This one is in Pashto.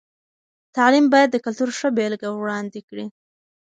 تعلیم باید د کلتور ښه بېلګه وړاندې کړي.